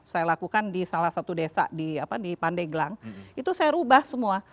saya lakukan di salah satu desa di pandeglang itu saya ubah semua